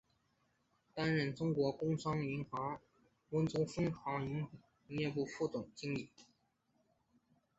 担任中国工商银行温州分行营业部副总经理。